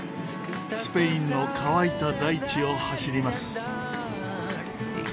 スペインの乾いた大地を走ります。